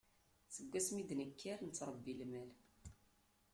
Seg wasmi i d-nekker, nettṛebbi lmal.